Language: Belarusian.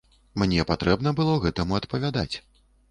Мне патрэбна было гэтаму адпавядаць.